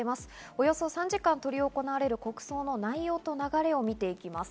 およそ３時間執り行われる国葬の内容と流れを見ていきます。